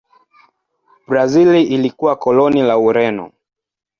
Brazil ilikuwa koloni la Ureno.